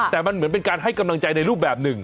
แต่มันเหมือนเป็นการให้กำลังใจในรูปแบบหนึ่ง